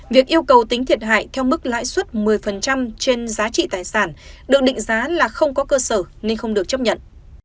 việc yêu cầu tính thiệt hại theo mức lãi suất một mươi trên giá trị tài sản được định giá là không có cơ sở nên không được chấp nhận